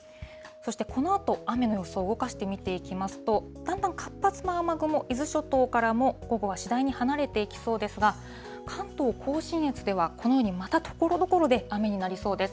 そしてこのあと、雨の予想を動かして見ていきますと、だんだん活発な雨雲、伊豆諸島からも、午後は次第に晴れていきそうですが、関東甲信越ではこのようにまた、ところどころで雨になりそうです。